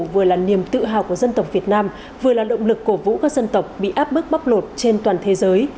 vừa là niềm tự hào của dân tộc việt nam vừa là động lực cổ vũ các dân tộc bị áp bức bóc lột trên toàn thế giới